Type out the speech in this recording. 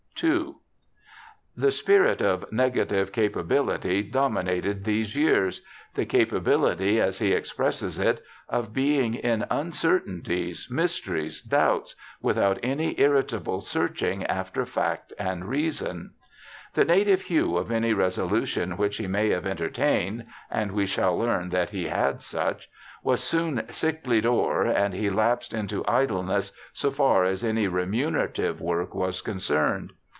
II The spirit oinegative capability dominated these years — the capability, as he expresses it, * of being in uncertain ties, mysteries, doubts, without any irritable searching after fact and reason.' The native hue of any resolution which he may have entertained— and we shall learn that he had such — was soon sicklied o'er, and he lapsed 42 BIOGRAPHICAL ESSAYS into idleness so far as any remunerative work was concerned.